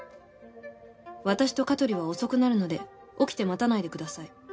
「私と香取は遅くなるので起きて待たないでください」